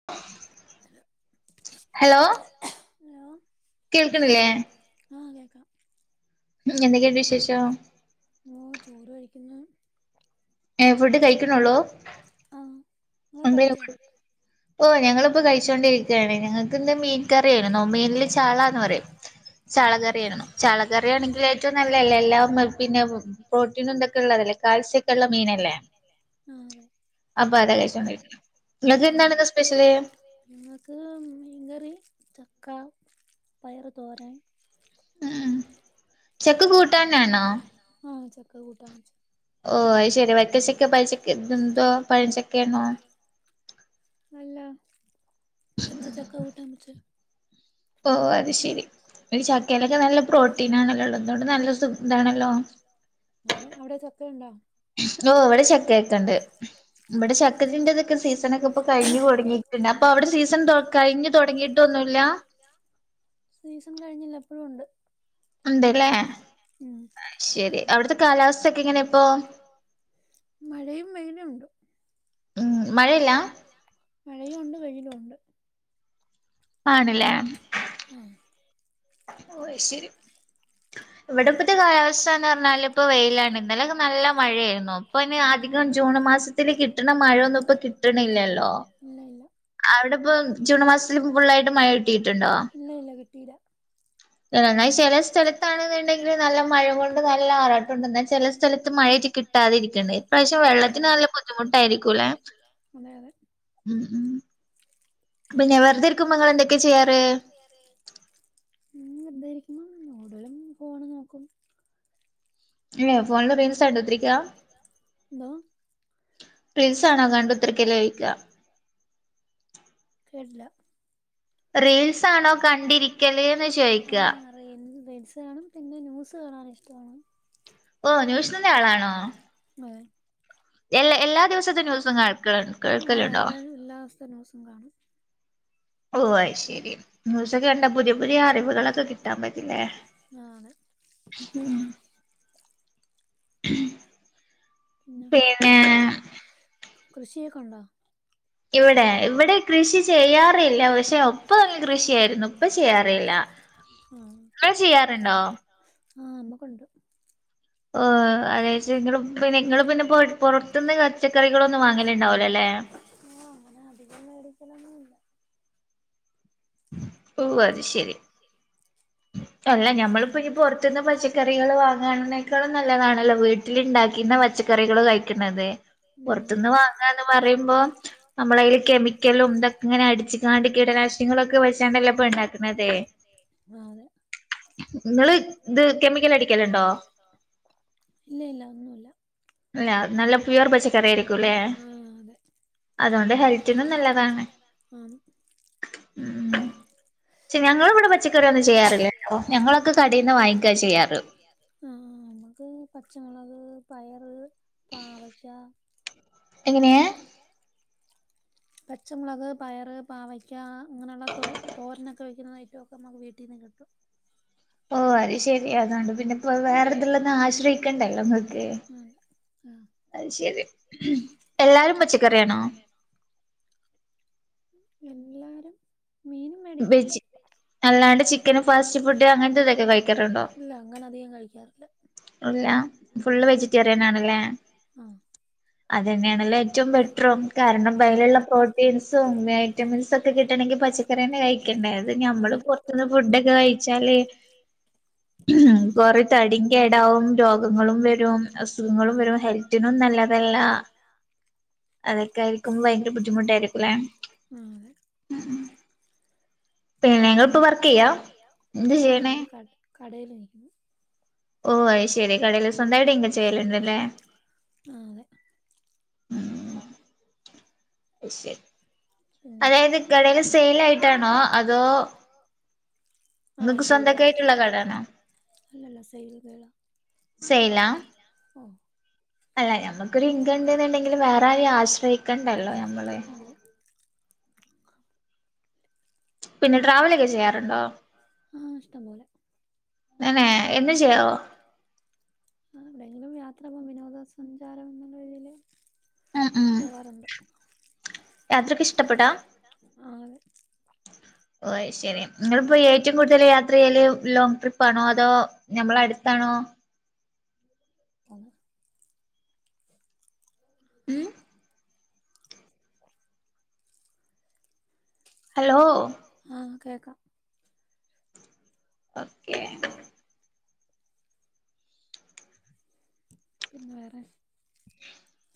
[unintelligible] Hello hello hello കേക്കണ്ല്ലേ? ആഹ് കേക്കാം എന്തക്കെണ്ട് ശേഷം? ഓ ചോറ് കഴിക്കുന്ന്. ഏഹ് ഫുഡ്‌ കൈക്ക്‌ണൊള്ളൂ ആഹ് ഇങ്ങള് കഴിച്ചോ? ഓ ഞങ്ങളിപ്പോ, കഴിച്ചോണ്ടിരിക്കാണ്. ഞങ്ങക്കിന്ന് മീങ്കറിയാന് മീൻല് ചാളാന്ന് പറിം. ചാളകറിയാണ് ചാളകറി ഏറ്റവും നല്ലതല്ലേ [unintelligible] പ്രോട്ടീനും ഇതൊക്കെ ഉള്ളതല്ലെ കാൽസ്യക്കൊള്ള മീനല്ലേ ആഹ് അതെ. അപ്പൊ അതാ കഴിച്ചോണ്ടിരിക്ക്ണ്. ഇങ്ങക്ക് ഇന്നെന്താണ് സ്പെഷ്യല്? ല് ഞങ്ങക്ക് മീൻകറി, ചക്ക, പയറ് തോരൻ. ആഹ് ചക്കകൂട്ടാണ്ടെയ്നോ? ആഹ് ചക്കകൂട്ടാ വെച്ചു. ഓ അയ്ശരി, വരിക്കച്ചക്കെ പഴചക്കെ ഇതെന്തോ പഴചക്കേണോ? അല്ല, പച്ചച്ചക്ക കൂട്ടാംവെച്ചു. ഓഹ് അത് ശെരി ഒരു ചക്കേലൊക്കെ നല്ല പ്രോട്ടീനാണല്ലോള്ളത്. അതോണ്ട് നല്ല സു ഇതാണല്ലോ നിങ്ങൾടെ അവടെ ചക്കയുണ്ടോ? ഓ ഇവടെ ചക്കയൊക്കെണ്ട്. ഇബടെ ചക്കതിന്റെതൊക്കെ സീസണൊക്കെ ഇപ്പൊ കഴിഞ്ഞ്തൊടങ്ങി. പിന്നെ അപ്പൊ അവടെ സീസൺ കഴിഞ്ഞു തൊടങ്ങീട്ടൊന്നുമില്ല സീസൺ കഴിഞ്ഞില്ല ഇപ്പഴുണ്ട്. അന്തേല്ലേ ഉണ്ടല്ലേ ഉം ശെരി അവിടുത്തെ കാലാവസ്ഥ ഒക്കെ ഏങ്ങനാണിപ്പോ? മഴയും വെയിലും ഉണ്ട്. ഉം മഴയില്ല? മഴയില്ല? മഴയും ഉണ്ട് വെയിലും ഉണ്ട്. ആണല്ലേ ആണല്ലേ ആഹ് ഓഹ് അയ്ശെരി ഇവടെപ്പത്തെ കാലാവസ്ഥാന്നറിഞ്ഞാല്, ഇപ്പൊ വെയിലാണ്. ഇന്നലെയൊക്കെ നല്ല മഴേയ്നു. ഇപ്പൊയ്ന് അധികം ജൂണ് മാസത്തില് കിട്ടണ മഴൊന്നും ഇപ്പൊ കിട്ടണില്ലല്ലോ അവിടിപ്പം ജൂണ് മാസത്തിലിപ്പൊ ഫുള്ളായിട്ട് മഴയിട്ടീട്ടുണ്ടോ? ഇല്ല ഇല്ല കിട്ടീല. എന്നാല് ചെല സ്ഥലത്താണെന്ന്ണ്ടെങ്കില് നല്ല മഴ കൊണ്ട് നല്ല [unintelligible] ന്നാ ചെലെ സ്ഥലത്ത് മ കിട്ടാതിരിക്ക്ണ്ട്. എന്നെച്ചാ വെള്ളത്തിന് നല്ല ബുദ്ധിമുട്ടായിരിക്കൂലോ ഉം ഉം പിന്നെ, വെറുതെരിക്കുമ്പൊ ഇങ്ങളെന്തൊക്കെ ചെയ്യാറ്? ചെയ്യാറ് നെ വെറ്തെരിക്കുമ്പൊ, കൂടലും ഫോണ് നോക്കും. ഇല്ല ഫോണില് റീൽസ് കണ്ട് കുത്തിരിക്കാ റീൽസാണോ കണ്ട് കുത്തരിക്കല് ചോയിക്കാ ക്കില്ല റീൽസാണോ കണ്ടിരിക്കല് എന്ന് ചോയിക്ക [unintelligible] കാണും പിന്നെ ന്യൂസ് കാണാന് ഇഷ്ടവാണ് ഓഹ് ന്യൂസ്ന്റെ ആളാണോ? [unintelligible] എല്ലാ എല്ലാ ദിവസത്തെ ന്യൂസും കാണൽണ്ടോ ആഹ് എല്ലാ ദിവസത്തെ ന്യൂസും കാണും ഓഹ് അയ് ശരി ന്യൂസൊക്കെ കണ്ട പുതിയ പുതിയ അറിവുകളൊക്കെ കിട്ടാൻ പറ്റില്ലേ പിന്നെ കൃഷിയൊക്കെ ഉണ്ടോ? ഇവിടെ ഇവിടെ കൃഷി ചെയ്യാറില്ല പക്ഷെ ഒപ്പ കൃഷിയായിരിക്കും ഇപ്പ ചെയ്യാറില്ല [unintelligible] ചെയ്യാറുണ്ടോ ആഹ് നമ്മക്കുണ്ട് ഓഹ് അത് വെച്ച് നിങ്ങള് പിന്നെ നിങ്ങള് പിന്നെ പൊറത്തുന്ന് പച്ചക്കറികളൊന്നും വാങ്ങലുണ്ടാവുലല്ലേ ആഹ് അങ്ങനെ അധികം മേടിക്കലൊന്നും ഇല്ല ഓഹ് അത് ശരി അല്ല ഞമ്മളിപ്പോ ഇനി പൊറത്ത്ന്ന് പച്ചക്കറികൾ വാങ്ങാനതിനേക്കാളും നല്ലതാണല്ലോ വീ ട്ടിലിണ്ടാക്കിന്ന പച്ചക്കറികള് കഴിക്കുന്നത് പൊറത്തുന്ന് വാങ്ങാ എന്ന് പറയുമ്പോ നമ്മള് അയില് കെമിക്കലും ഇതൊക്കെ ഇങ്ങനെ അടിച്ച് കാണ്ട് കീടനാശിനങ്ങളൊക്കെ വെച്ചാണ്ടല്ലോ ഇപ്പൊ ഉണ്ടാക്ക്ണതെ അതെയ് ആഹ് അതെ ഇങ്ങള് ഇത് കെമിക്കൽ അടിക്കലുണ്ടോ അല്ല നല്ല പ്യുവർ പച്ചക്കറി ആയിരിക്കുല്ലേ അതുകൊണ്ട് ഹെൽത്തിനും നല്ലതാണ് ഉം പക്ഷെ ഞങ്ങളിവിടെ പച്ചക്കറിയൊന്നും ചെയ്യാറില്ലട്ടോ ഞങ്ങളൊക്കെ കടയിന്ന് വാങ്ങിക്കാ ചെയ്യാറ് ആഹ് നമുക്ക് പച്ചമുളക്, പയറ്, പാവക്ക എങ്ങനെ എങ്ങനെ പച്ചമുളക്, പയറ്, പാവയ്ക്ക അങ്ങനെയുള്ള തോ തോരനൊക്കെ വയ്ക്കുന്ന ഐറ്റമൊക്കെ നമുക്ക് വീട്ടിന്ന് കിട്ടും ഓഹ് അഹ് ശരി അത്കൊണ്ട് പിന്നെ ഇപ്പോ വേറെതല്ലൊന്നും ആശ്രയിക്കണ്ടല്ലോ ഇങ്ങക്ക് അഹ് ശരി എല്ലാരും പച്ചക്കറിയാണോ? എല്ലാരും മീനും വെജി അല്ലാണ്ട് ചിക്കന് ഫാസ്റ്റ് ഫുഡ് അങ്ങനത്തെ ഇതൊക്കെ കഴിക്കാറുണ്ടോ ഇല്ല ഫുള്ള് വെജിറ്റേറിയൻ ആണല്ലേ അത് തന്നെയാണല്ലേ ഏറ്റവും ബെറ്ററും കാരണം വയലുള്ള പ്രോട്ടീൻസും [unintelligible] വിറ്റാമിൻസൊക്കെ കിട്ടണെങ്കി പച്ച ക്കറി തന്നെ കഴിക്കണ്ടേ അത് ഞമ്മള് പൊറത്ത്ന്ന് ഫുഡൊക്കെ കഴിച്ചാല് കൊറേ തടിം കേടാവും രോഗങ്ങളും വരും അസുഖങ്ങളും വരും ഹെൽത്തിനും നല്ലതല്ല ആഹ് അതൊക്കെ ആയിരിക്കും ഭയങ്കര ബുദ്ധിമുട്ടായിരിക്കുംല്ലേ ഏഹ് ഇങ്ങള് ഇപ്പൊ വർക്ക്‌ ചെയ്യാ ആഹ് ഞാൻ ഒരു കട കടേല് നിക്കുന്നു ഓഹ് അഹ് ശരി കടയിൽ സ്വന്തായിട്ട് ഇൻകം ചെയ്യലുണ്ടല്ലേ ആഹ് അതെ അഹ് ശരി അതായത് കടയില് സെയ്ലായിട്ടാണോ അതോ ആഹ് സെയിലായിട്ടാ അല്ലല്ല സെയിൽ ഗേളാ സെയിലാ ഓഹ് അല്ല നമ്മക്കൊര് ഇൻകം ഉണ്ടെന്നുണ്ടെങ്കിൽ വേറെ ആരെയും ആശ്രയിക്കണ്ടല്ലോ ഞമ്മള് ആ ഇഷ്ടം പോലെ അന്നെ എന്ത് ചെയ്യണോ ആഹ് എവിടെയങ്കിലും യാത്ര പോ വിനോദ സഞ്ചാരം എന്നുള്ള രിതിയില്. പോവാറുണ്ട് ആതെ [inaudible] ഓയ് ശരി നിങ്ങളിപ്പോ ഏറ്റവും കൂടുതൽ യാത്ര യ്യല് ലോങ് ട്രിപ്പാണോ അതോ നമ്മളെ അടുത്താണോ? [inaudible] ഉം ഹലോ? ആഹ് കേക്കാം ഓക്കെ പിന്നെ വേറെ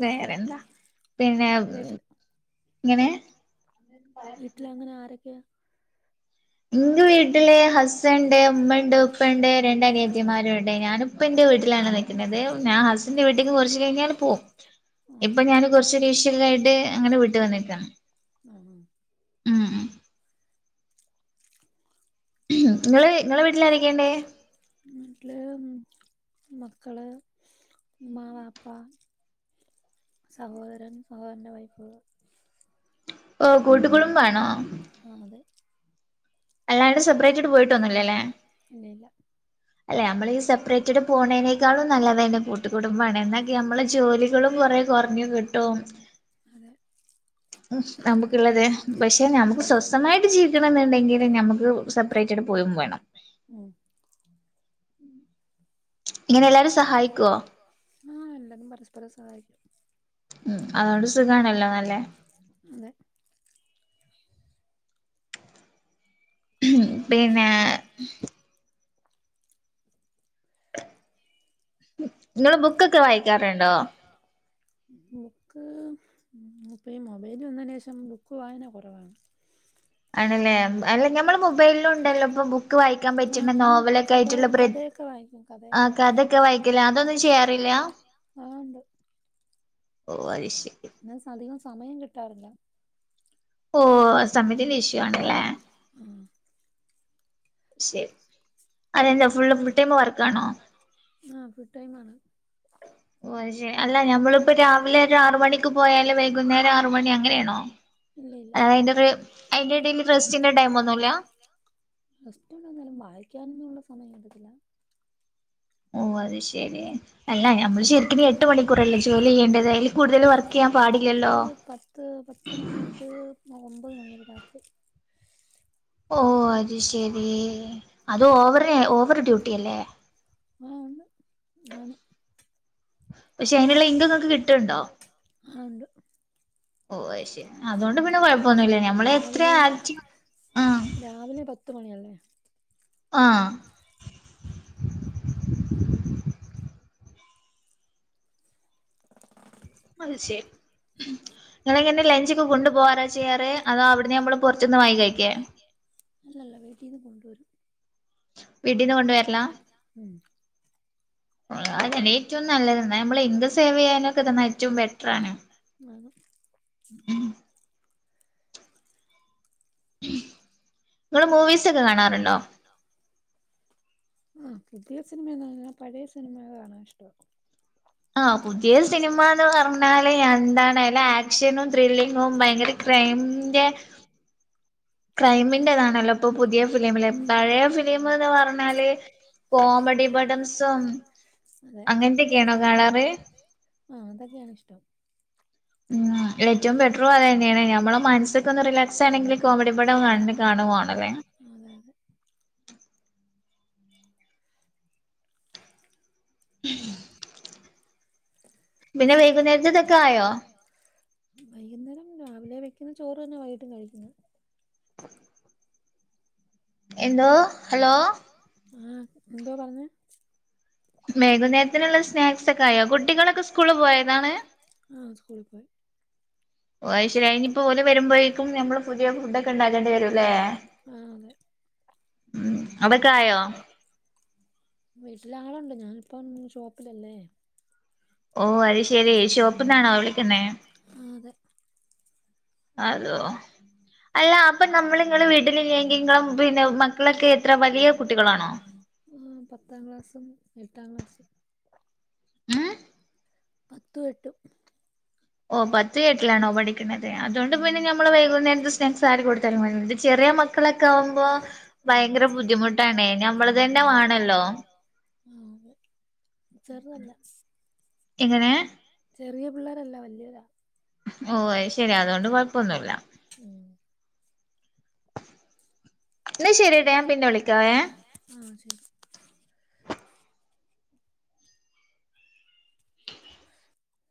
വേറെന്താ പിന്നെ ഇങ്ങനെ ഇങ്ങനെ ആരൊക്കെയാ എന്റെ വീട്ടില് ഹസ്സ് ണ്ട്ഉമ്മണ്ട് ഉപ്പണ്ട് രണ്ട് അനിയത്തിമാരും ഉണ്ട് ഞാനും ഇപ്പന്റെ വീട്ടിലാണ് നിക്ക്ണത് ഞാൻ ഹസ്സ് ന്റെവീട്ടിലേക്ക് കുറച്ച് കഴിഞ്ഞാല് പോവും. ഇപ്പൊ ഞാൻ കുറച്ച് ദീഷ്യക ആയിട്ട് അങ്ങനെ വിട്ട് വന്നേക്കാണ്. ആഹ് ഉം [inaudible] ഇങ്ങള് ഇങ്ങളെ വീട്ടില്ആരെക്കെണ്ട്. വിട്ട് ല് മക്കള് ഉമ്മ വാപ്പ. സഹോദരൻ സഹോദരന്റെ വൈഫ്. ഓഹ് കൂട്ടുകുടുംബാണോ ആഹ് അതെ അല്ലാണ്ട് സെപ്പറേറ്റ്ട്ട് പോയിട്ടൊന്നില്ലല്ലേ. അല്ലെ നമ്മൾ സെപ്പറേറ്റഡ് പോണതിനേക്കാളും നല്ലതന്നെ കൂട്ടുകുടുംബമാണ് എന്ന നമ്മള് ജോലികളും കൊറയും കൊറഞ്ഞ് കിട്ടും. അതെ നമുക്കുള്ളത് പക്ഷെ നമ്മുക്ക് സ്വസ്ഥമായിട്ട് ജീവിക്കണം എന്നുണ്ടെങ്കില് നമുക്ക്. സെപ്പറേറ്റ്ഡ് പോയിവേണം ഉം എല്ലാരും സഹായിക്കോ ആഹ്എല്ലാരും പരസ്പരം സഹായിക്കും. ഉം അതുകൊണ്ട് സുഖമാണല്ലോ നല്ലേ? അതെ പിന്നെ ങ്ങള് ബുക്കൊക്കെ വായിക്കാറുണ്ടോ? ബുക്ക് ഇപ്പം ഈ മൊബൈല് വന്നന് ശേഷം ബുക്ക് വായന കുറവാണ്. [inaudible] ആണല്ലേ അല്ല ഞമ്മളെ മൊബൈലും ഉണ്ടല്ലോ ഇപ്പൊ ബുക്ക് വായിക്കാൻ പറ്റുന്ന നോവലൊക്കെ ആയിട്ടുള്ള പ്ര ഇക്ക വായിക്കും. കഥയൊക്കൊ വായിച്ച് ആ ഉണ്ട്. ഓഹ് അഹ്ശരി എന്നാ അധികം സമയം കിട്ടാറില്ല ഓഹ് ആഹ് ശരി അതന്താ ഫുൾ ഫുൾ ടൈം വർക്ക് ആണോ? ആഹ് ഫുൾ ടൈം ആണ് അല്ല ഞമ്മളിപ്പോ രാവിലെ ഒരു ആറ് മണിക്ക് പോയാല് വൈകുന്നേരം ആറ്മണി അങ്ങനെയാണോ? ഇല്ല ഇല്ല [unintelligible] അയിൻ്റെടയിൽറെസ്റ്റിന്റെ ടൈം ഒന്നുല്ല? റെസ്റ്റുണ്ട് എന്നാലും വായിക്കാനൊന്നുള്ള സമയം കിട്ടത്തില്ല. ഓ അത് ശെരി അല്ല നമ്മൾ ശരിക്കിനും എട്ട് മണിക്കൂറല്ലേ ജോലി ചെയ്യേണ്ടത് അതിൽ കൂടുതൽ വർ ക്ക് ചെയ്യാൻ പാടില്ലല്ലോ ഇത് പത്ത് പത്ത് മണി തൊട്ട് ഒമ്പത് മണി വരെ രാത്രി. ഓഹ് അത് ശെരി അത് ഓവർ ഓവർ ഡ്യൂട്ടി അല്ലേ. ആണ് ന്നാലും പക്ഷേ അതിനുള്ള ഇൻകം ങ്ങക്ക് കിട്ട്ണ്ടോ? ആഹ് ഇണ്ട്. ഓ അത് ശരി അതുകൊണ്ട് പിന്നെ കൊഴപ്പൊന്നുല്ല. നമ്മള് എത്ര ആക്ക്റ്റി ആഹ് രാവിലെ പ പത്ത്‌ മണിയാലേ. ആഹ് [unintelligible] ഇങ്ങള് എങ്ങനെ ലഞ്ചക്കെ കൊണ്ടു പോകറാ ചെയ്യാറ് അതോ അവിടന്ന് നമ്മള് പൊറത്ത്ന്ന് വാങ്ങി കഴിക്കേ? അല്ല അല്ല വീട്ടീന്ന് കൊണ്ട് വരും. വീട്ടീന്ന് കൊണ്ട് വരലാ? അതെ ഏറ്റവും നല്ലത് ന്നാ നമ്മള് ഇൻകംസേവ് ചെയ്യാനക്കെന്നാ ഏറ്റവും ബെറ്ററാണ്. [inaudible] ഇങ്ങള് മൂവീസൊക്കെ കാണാറുണ്ടോ? ആഹ് പുതിയ സിനിമയൊന്നും കാണലില്ല പഴയ സിനിമ കാണാൻ ഇഷ്ട്ടാ. [inaudible] ആഹ് പുതിയ സിനിമ എന്ന് പറ്ഞ്ഞാല് എന്താണ്ലേ ആക്ഷനും ത്രില്ലിങ്ങും ഭയങ്കര ക്രൈംന്റെ ക്രൈമിന്റെതാണല്ലോ ഇപ്പൊ പുതിയ ഫിലിമില് പഴയ ഫിലിമ്ന്ന് പറഞ്ഞാല് കോമഡിപടങ്ങൾ, അതെ അങ്ങനത്തെക്കെയാണോ കാണാറ് ആഹ് അതൊക്കെയാണ് ഇഷ്ടം. ഉം ഏറ്റവും ബെറ്ററും അതന്നെയാണ് നമ്മടെ മനസ്സൊക്കെ ഒന്ന് റിലാക്സ്‌ ആകണെങ്കിൽ കോമഡി പടം കാണ ന്നെ കാണുവാണലേ. അതെ അതെ. [inaudible] പിന്നെ വൈകുന്നേരത്തതൊക്കെ ആയോ? വൈകുന്നേരം രാവിലെ വെക്കുന്ന ചോറ് തന്നെ വൈകിട്ടും കഴിക്കുന്ന. എന്തോ ഹലോ. ആഹ് എന്തോ പറഞേ?. വൈകുന്നേരത്തിനുള്ള സ്നാക്സ്‌ക്കെ ആയോ? കുട്ടികളൊക്കെ സ്കൂളിൽ പോയതാണ്. ആഹ് സ്കൂളിൽ പോയി. [inaudible] ഓഹ് അഹ് ശെരി ഇനിയിപ്പോ ഓല് വരുമ്പോഴേക്കും നമ്മള് പുതിയ ഫുഡക്കെ ഉണ്ടാക്കേണ്ടി വരുംലേ. ഉം അതൊക്കെ ആയോ? വീട്ടില് ആളുണ്ട് ഞാനിപ്പം ഷോപ്പിലല്ലേ. ഓഹ് അത് ശരി ഷോപ്പിന്നാണോ വിളിക്കുന്നെ ആഹ് അതെ. ഹലോ അല്ല അപ്പൊ നമ്മളി ഇങ്ങള് വീട്ടിലില്ലെങ്കി ഇങ്ങളും പിന്നെ മക്കളൊക്കെ എത്ര വലിയ കുട്ടികളാണോ. ആഹ് പത്താം ക്ലാസും എട്ടാം ക്ലാസും. പത്തും എട്ടും. ഓഹ് പത്ത് എട്ടിലാണോ പഠിക്കണുത് അതോണ്ട് പിന്നെ നമ്മള് വൈകുന്നേരത്ത് സ്നാക്സ് ആര് കൊടുത്താലും വാങ്ങിക്കോളും ഇത് ചെറിയ മ ക്കളൊക്കെ ആവുമ്പോ ഭയങ്കര ബുദ്ധിമുട്ടാണെ നമ്മള് തന്നെ വാണല്ലോ. ചെറുതല്ല എങ്ങനെ ചെറിയ പിള്ളേരല്ല വലിയവരാ. ഓഹ് അത് ശെരി അതോണ്ട് കൊഴപ്പൊന്നുല്ല. ഉം എന്ന ശരിയടാ ഞാൻ പിന്നെ വിളിക്കാവേ ആഹ് ശരി